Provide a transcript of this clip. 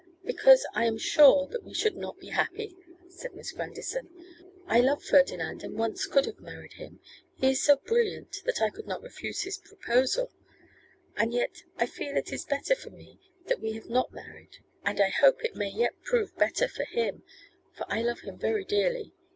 'Because I am sure that we should not be happy,' said Miss Grandison. 'I love Ferdinand, and once could have married him. He is so brilliant that I could not refuse his proposal. And yet I feel it is better for me that we have not married, and I hope it may yet prove better for him, for I love him very dearly.